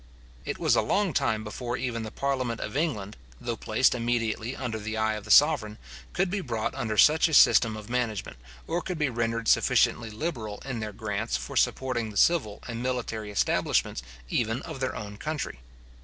It was a long time before even the parliament of England, though placed immediately under the eye of the sovereign, could be brought under such a system of management, or could be rendered sufficiently liberal in their grants for supporting the civil and military establishments even of their own country.